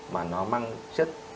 mà nó mang chất